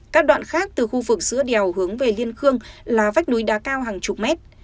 các đoạn khác từ khu vực giữa đèo hướng về liên khương là vách núi đá cao hàng chục mét